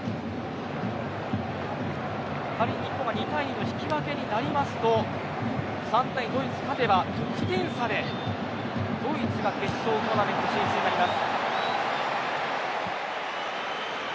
仮に、日本が２対２の引き分けになりますと３点取っているドイツが勝てば得点差で、ドイツが決勝トーナメント進出となっています。